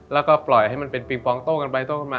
แล้วก็ปล่อยให้มันเป็นปิงปองโต้กันไปโต้กันมา